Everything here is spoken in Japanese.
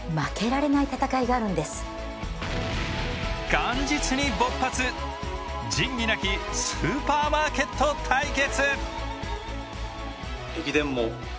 元日に勃発、仁義なきスーパーマーケット対決。